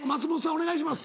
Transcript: お願いします。